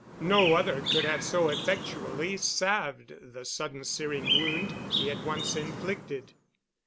No other could have so effectually salved the sudden searing wound he had once inflicted.